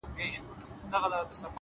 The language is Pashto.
o د پلټني سندرماره شـاپـيـرۍ يــارانــو،